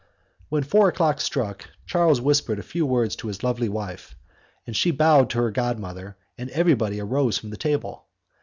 When four o'clock struck, Charles whispered a few words to his lovely wife, she bowed to her god mother, and everybody rose from the table.